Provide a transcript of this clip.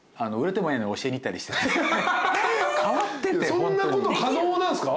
そんなこと可能なんすか？